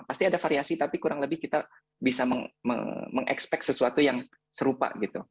pasti ada variasi tapi kurang lebih kita bisa mengekspek sesuatu yang serupa gitu